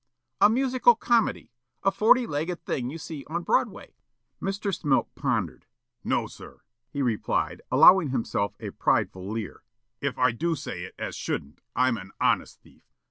"A musical comedy. A forty legged thing you see on Broadway." Mr. Smilk pondered. "No, sir," he replied, allowing himself a prideful leer; "if I do say it as shouldn't, I'm an honest thief."